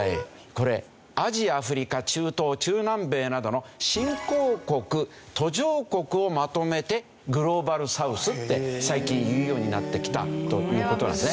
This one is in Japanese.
これアジアアフリカ中東中南米などの新興国途上国をまとめてグローバルサウスって最近言うようになってきたという事なんですね。